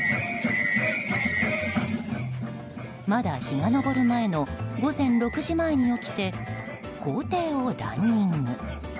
まだ日が昇る前の午前６時前に起きて校庭をランニング。